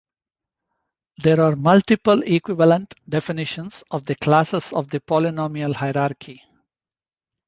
There are multiple equivalent definitions of the classes of the polynomial hierarchy.